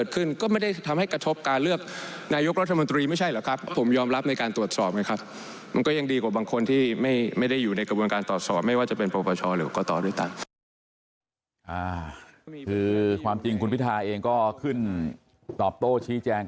คือความจริงคุณพิทาเองก็ขึ้นตอบโต้ชี้แจง